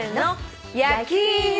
焼き芋。